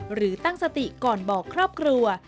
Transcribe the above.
หรือตั้งสติก่อนบอกครอบครัว